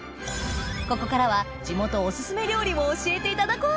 ここからは地元お薦め料理を教えていただこう